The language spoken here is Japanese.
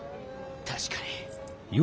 確かに。